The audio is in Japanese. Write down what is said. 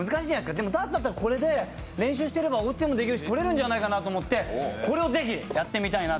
でもダーツだったらこれで練習してればとれるんじゃないかと思ってこれをぜひやってみたいなと。